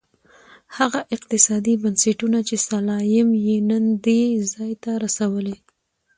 هغه اقتصادي بنسټونه چې سلایم یې نن دې ځای ته رسولی.